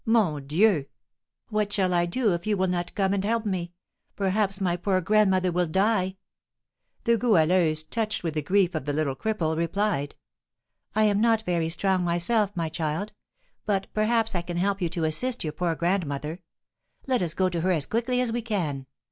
Mon Dieu! what shall I do if you will not come and help me? Perhaps my poor grandmother will die!" The Goualeuse, touched with the grief of the little cripple, replied: "I am not very strong myself, my child; but perhaps I can help you to assist your poor grandmother. Let us go to her as quickly as we can!